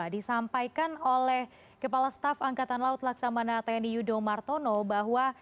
disampaikan oleh kepala staf angkatan laut laksamana tni yudo martono bahwa